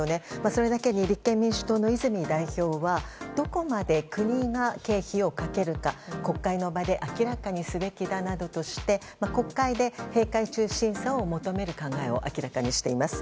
それだけに立憲民主党の泉代表はどこまで国が経費をかけるか国会の場で明らかにすべきだなどとして国会で閉会中審査を求める考えを明らかにしています。